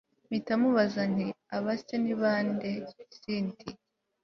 mpita mubaza nti aba se ni bande cynti!